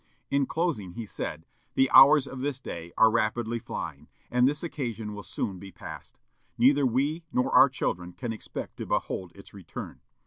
In closing he said, "The hours of this day are rapidly flying, and this occasion will soon be passed. Neither we nor our children can expect to behold its return.